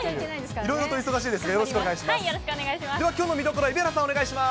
いろいろと忙しいですが、よろしくお願いします。